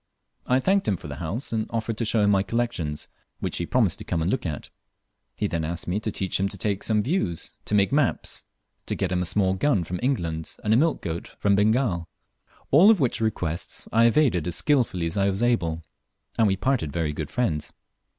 I thanked him for the house, and offered to show him my collections, which he promised to come and look at. He then asked me to teach him to take views to make maps to get him a small gun from England, and a milch goat from Bengal; all of which requests I evaded as skilfully as I was able, and we parted very good friends.